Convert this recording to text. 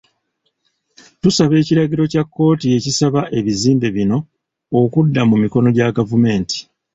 Tusaba ekiragiro kya kkooti ekisaba ebizimbe bino okudda mu mikono gya gavumenti.